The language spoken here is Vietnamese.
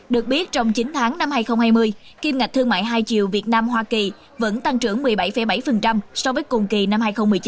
được biết trong chín tháng năm hai nghìn hai mươi kim ngạch thương mại hai triệu việt nam hoa kỳ vẫn tăng trưởng một mươi bảy bảy so với cùng kỳ năm hai nghìn một mươi chín